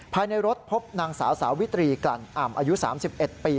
ภายในรถพบนางสาวสาวิตรีกลั่นอ่ำอายุ๓๑ปี